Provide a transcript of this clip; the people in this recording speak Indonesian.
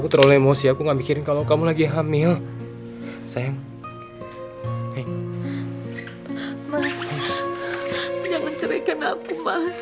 jangan mas jangan mencerahkan aku